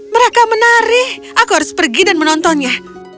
mereka menari aku harus pergi dan menontonnya